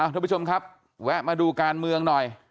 ทุกผู้ชมครับแวะมาดูการเมืองหน่อย